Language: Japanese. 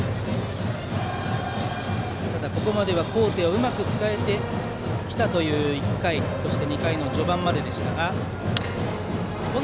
ただここまで高低をうまく使ってきたという１回とそして、２回の序盤までした。